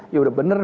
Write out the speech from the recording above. ya udah benar